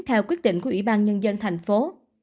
theo quyết định của ủy ban nhân dân thành phố